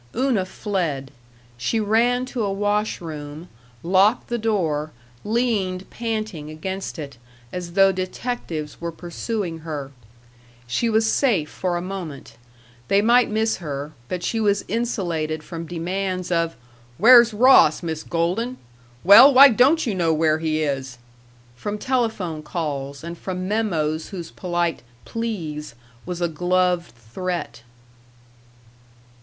Una fled. She ran to a wash room, locked the door, leaned panting against it, as though detectives were pursuing her. She was safe for a moment. They might miss her, but she was insulated from demands of, "Where's Ross, Miss Golden? Well, why don't you know where he is?" from telephone calls, and from memoes whose polite "please" was a gloved threat.